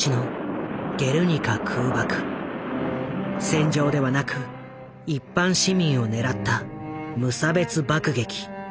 戦場ではなく一般市民を狙った無差別爆撃。